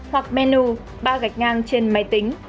hoặc menu ba gạch ngang trên máy tính